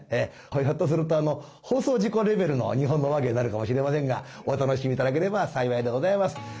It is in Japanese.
これひょっとすると放送事故レベルの「日本の話芸」になるかもしれませんがお楽しみ頂ければ幸いでございます。